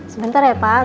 sebentar ya pak